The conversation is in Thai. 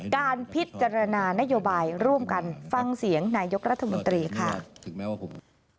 การพิจารณานโยบายร่วมกันฟังเสียงนายกรัฐมนตรีครับ